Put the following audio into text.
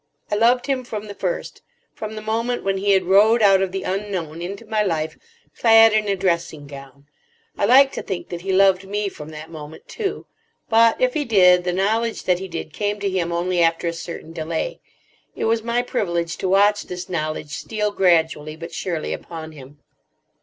I loved him from the first, from the moment when he had rowed out of the unknown into my life, clad in a dressing gown. I like to think that he loved me from that moment, too. But, if he did, the knowledge that he did came to him only after a certain delay. It was my privilege to watch this knowledge steal gradually but surely upon him.